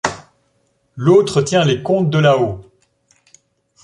l’autre tient les comptes de là-haut !…